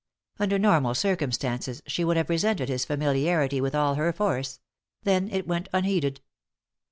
Under normal circum stances she would have resented his familiarity with all her force ; then it went unheeded.